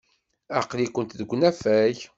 Aql-ikent deg unafag.